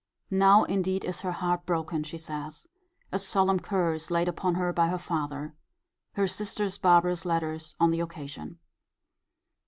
Now indeed is her heart broken, she says. A solemn curse laid upon her by her father. Her sister's barbarous letters on the occasion.